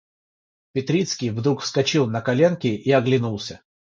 Петрицкий вдруг вскочил на коленки и оглянулся.